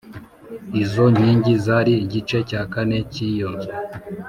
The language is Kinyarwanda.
Izo nkingi zari igice cya kane cy’iyo nzu